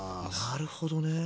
なるほどね。